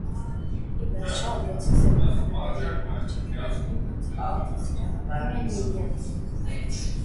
Ի վերջո, ամրոցի սեփականատերը և աղջիկը (նախկին հանցագործը) սիրահարվում են միմյանց։